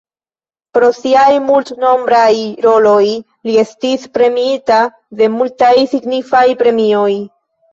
Pro siaj multnombraj roloj li estis premiita de multaj signifaj premioj.